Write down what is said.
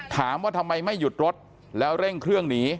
ถามว่าทำไมไม่หยุดรถแล้วเร่งเครื่องหนี